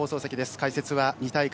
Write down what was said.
解説は２大会